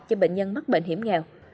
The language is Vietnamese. cho bệnh nhân mắc bệnh hiểm nghèo